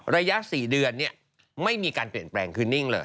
ระยะ๔เดือนไม่มีการเปลี่ยนแปลงคือนิ่งเลย